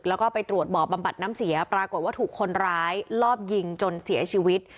แล้วก็ไปตรวจบ่อบำบัดน้ำเสียปรากฏว่าถูกคนร้ายลอบยิงจนเสียชีวิต